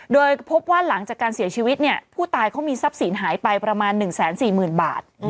โดยพบว่าหลังจากการเสียชีวิตเนี่ยผู้ตายเขามีทรัพย์สินหายไปประมาณ๑๔๐๐๐บาท